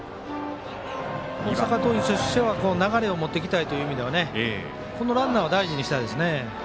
大阪桐蔭としては流れを持っていきたいという意味でこのランナーは大事にしたいです。